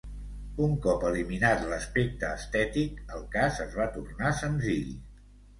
Un cop eliminat l'aspecte estètic, el cas es va tornar senzill.